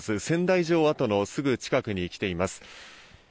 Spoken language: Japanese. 仙台城跡のすぐ近くに来ています。